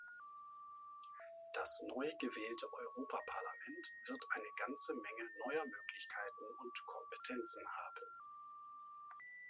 Das neu gewählte Europa-Parlament wird eine ganze Menge neuer Möglichkeiten und Kompetenzen haben.